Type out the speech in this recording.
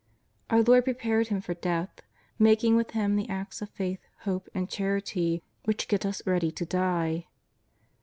Our Lord prepared him for death, making with him the acts of Faith, Hope, and Charity which get us ready to die.